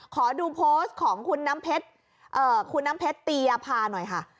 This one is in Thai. ขอดูโพสต์ของคุณน้ำเพชรคุณน้ำเพชรตียภาหน่อยค่ะ